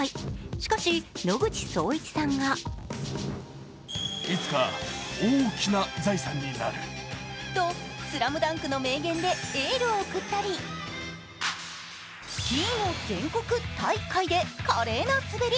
しかし、野口聡一さんがと「ＳＬＡＭＤＵＮＫ」の名言でエールを送ったりスキーの全国大会で華麗な滑り。